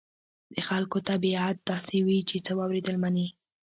د خلکو طبيعت داسې وي چې څه واورېدل مني.